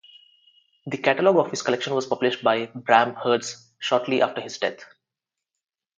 The catalog of his collection was published by Bram Hertz shortly after his death.